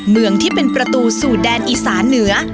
เมืองที่เป็นประตูสู่แดนอีสานเหนือ